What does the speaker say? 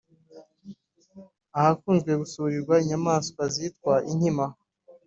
ahakunze gusurirwa inyamanswa zitwa inkima